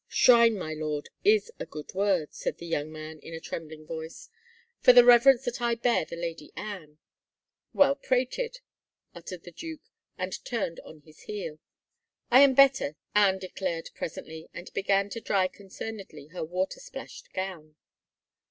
"" Shrine, my lord, is a good word," said the young man in a trembling voice, " for the reverence that I bear the Lady Anne." " Well prated," uttered the duke and turned on his heel. " I am better," Anne declared presently, and began to dry concernedly her water splashed gown.